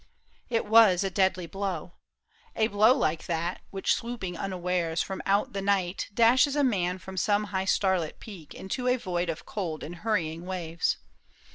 It was a deadly blow ! A blow like that Which swooping unawares from out the night Dashes a man from some high starlit peak Into a void of cold and hurrying waves.